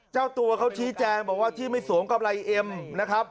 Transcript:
เจ้าตัวเขาชี้แจงบอกว่าที่ไม่สวมกำไรเอ็มนะครับ